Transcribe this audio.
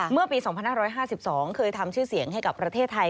เมื่อปี๒๕๕๒เคยทำชื่อเสียงให้กับประเทศไทย